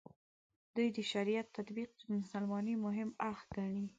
دوی د شریعت تطبیق د مسلمانۍ مهم اړخ ګڼي.